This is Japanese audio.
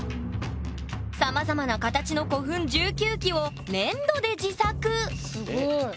さまざまな形の古墳１９基を粘土で自作すごい。